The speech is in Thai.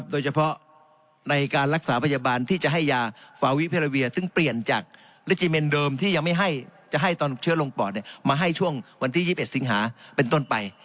โดยเฉพาะในการรักษาพยาบาลที่จะให้ยาฟาวิเพราเวียซึ่งเปลี่ยนจากลิจิเมนเดิมที่ยังไม่จะให้ตอนเชื้อลงปอดมาให้ช่วงวันที่๒๑สิงหาเป็นต้นไป